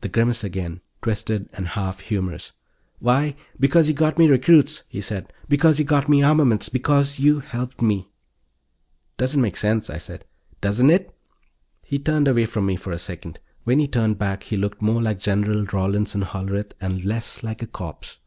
The grimace again, twisted and half humorous. "Why, because you got me recruits," he said. "Because you got me armaments. Because you helped me." "Doesn't make sense," I said. "Doesn't it?" He turned away from me for a second. When he turned back he looked more like General Rawlinson Hollerith, and less like a corpse.